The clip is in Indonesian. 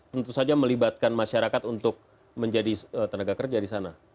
tentu saja melibatkan masyarakat untuk menjadi tenaga kerja di sana